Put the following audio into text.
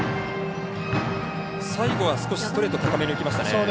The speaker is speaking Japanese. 最後は、少しストレート高めに浮きましたね。